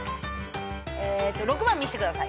６番見してください。